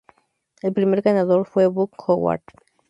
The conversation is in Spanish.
El primer ganador fue Buck Howard.